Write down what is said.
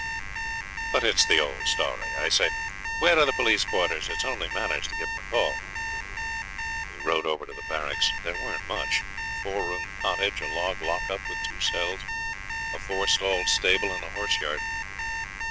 But it's the old story. I say, where are the police quarters? It's only manners to give them a call.' We rode over to the barracks. They weren't much. A four roomed cottage, a log lock up with two cells, a four stalled stable, and a horse yard.